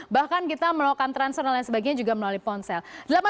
bahkan kita melakukan transfer dan lain sebagainya juga melalui ponsel